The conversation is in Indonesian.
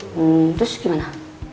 hmm terus gimana